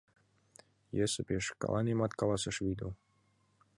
– Йӧсӧ пеш шкаланемат, каласыш Вийду.